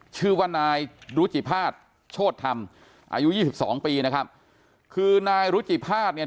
ชื่อว่านายรุจิภาษณ์โชธธรรมอายุยี่สิบสองปีนะครับคือนายรุจิภาษณ์เนี่ย